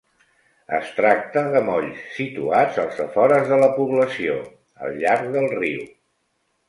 Es tracta de molls situats als afores de la població, al llarg del riu.